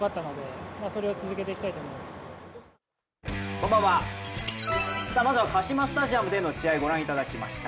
こんばんは、まずはカシマスタジアムでの試合、ご覧いただきました。